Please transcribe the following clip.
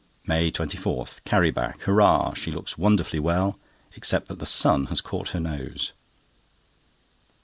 MAY 24.—Carrie back. Hoorah! She looks wonderfully well, except that the sun has caught her nose.